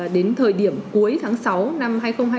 đến thời điểm cuối tháng sáu năm hai nghìn hai mươi